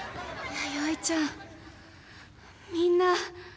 弥生ちゃんみんな。